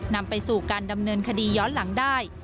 นำไปสู่การดำเนินคดีย้อนหลังได้